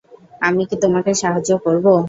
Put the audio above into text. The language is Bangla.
আমি কি তোমাকে সাহায্য করবো?